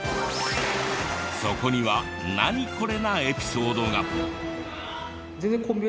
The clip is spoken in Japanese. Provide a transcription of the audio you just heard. そこにはナニコレなエピソードが！